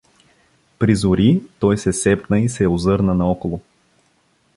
Призори той се сепна и се озърна наоколо.